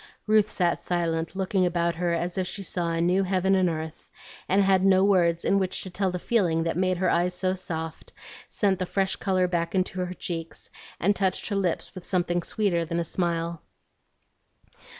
Ruth sat silent, looking about her as if she saw a new heaven and earth, and had no words in which to tell the feeling that made her eyes so soft, sent the fresh color back into her cheeks, and touched her lips with something sweeter than a smile.